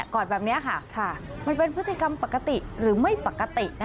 อดแบบนี้ค่ะมันเป็นพฤติกรรมปกติหรือไม่ปกติ